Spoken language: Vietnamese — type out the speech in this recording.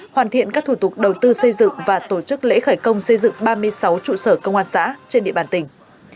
hoàn thiện các thủ tục đầu tư xây dựng và tổ chức lễ khởi công xây dựng ba mươi sáu trụ sở công an xã trên địa bàn tỉnh